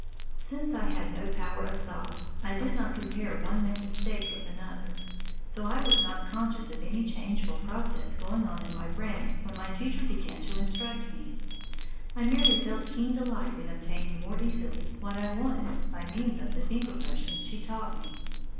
Since I had no power of thought, I did not compare one mental state with another. So I was not conscious of any change or process going on in my brain when my teacher began to instruct me. I merely felt keen delight in obtaining more easily what I wanted by means of the finger motions she taught me.